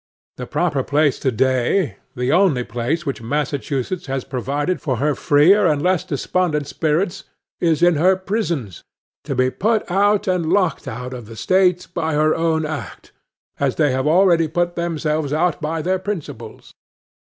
The proper place today, the only place which Massachusetts has provided for her freer and less desponding spirits, is in her prisons, to be put out and locked out of the State by her own act, as they have already put themselves out by their principles.